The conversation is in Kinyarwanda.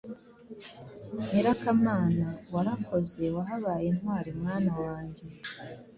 Nyirakamana: Warakoze wahabaye intwari mwana wange!